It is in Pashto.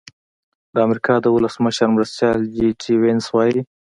د امریکا د ولسمشر مرستیال جي ډي وینس وايي.